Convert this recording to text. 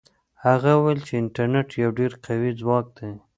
هغه وویل چې انټرنيټ یو ډېر قوي ځواک دی.